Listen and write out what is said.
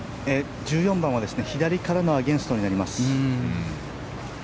１４番は左からのアゲンストになります。